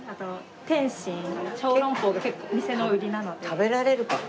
食べられるかな？